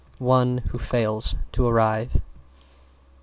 One who fails to arrive.